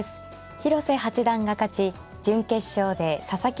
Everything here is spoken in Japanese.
広瀬八段が勝ち準決勝で佐々木